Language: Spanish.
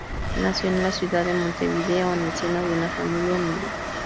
Nació en la ciudad de Montevideo, en el seno de una familia humilde.